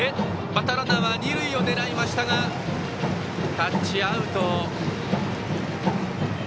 バッターランナーは二塁を狙いましたがタッチアウト。